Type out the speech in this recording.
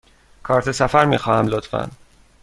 کارت سفر می خواهم، لطفاً.